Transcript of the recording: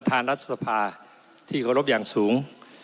ประธานรัฐสภาที่โครบอย่างสูง